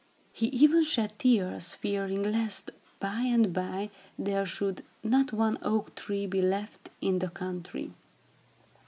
He even shed tears, fearing lest, by and by, there should not one oak tree be left in the country.